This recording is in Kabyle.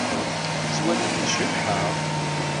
Tettwalim-iyi-d cebḥeɣ?